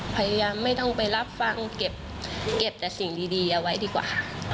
พยายามไม่ต้องไปรับฟังเก็บเก็บแต่สิ่งดีดีเอาไว้ดีกว่า